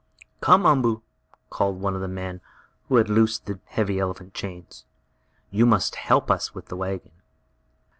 "Come, Umboo!" called one of the men, as he loosed the heavy elephant chains. "You must help us with the wagon."